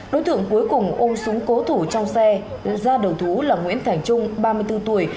đối tượng cuối cùng ôm súng cố thủ trong xe ra đầu thú là nguyễn thành trung ba mươi bốn tuổi